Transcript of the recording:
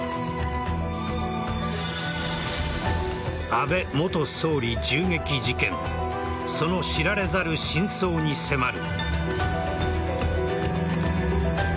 安倍元総理銃撃事件その知られざる真相に迫る。